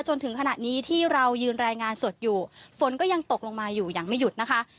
จนถึงขณะนี้ที่เรายืนรายงานสดอยู่ฝนก็ยังตกลงมาอยู่อย่างไม่หยุดนะคะ